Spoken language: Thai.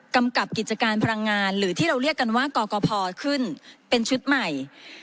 กับกิจการพลังงานหรือที่เราเรียกกันว่ากกพขึ้นเป็นชุดใหม่